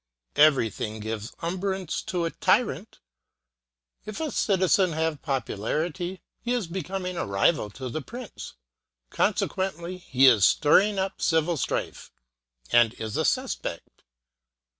Everything gives umbrage to a tyrant. If a citizen have popularity, he is becoming a rival to the prince. Conse quently, he is stirring up civil strife, and is a suspect.